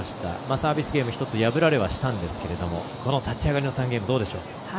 サービスゲーム１つ、破られはしたんですがこの立ち上がりの３ゲームどうでしょう？